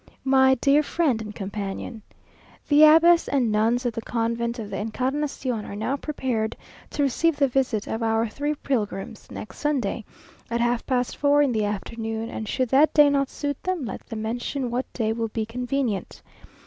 My dear Friend and Companion: The Abbess and Nuns of the Convent of the Encarnación are now prepared to receive the visit of our three pilgrims, next Sunday, at half past four in the afternoon, and should that day not suit them, let them mention what day will be convenient.